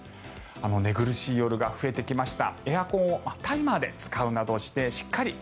寝苦しい夜が増えてきました。